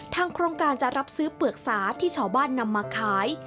โครงการจะรับซื้อเปลือกสาที่ชาวบ้านนำมาขาย